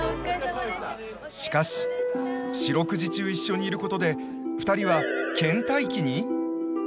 しかし四六時中一緒にいることで２人はけん怠期に？